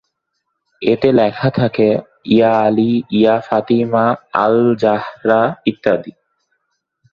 এতে লেখা থাকে "ইয়া আলি", "ইয়া ফাতিমা আল জাহরা" ইত্যাদি।